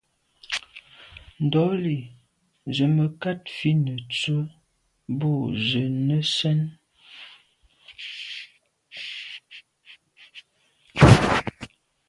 Ndɔ̌lî zə̀ mə̀kát fít nə̀ tswə́ bû zə̀ nə́ sɛ́n.